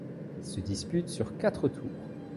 Elles se disputent sur quatre tours.